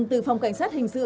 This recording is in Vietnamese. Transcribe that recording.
từ phòng cảnh sát hình sự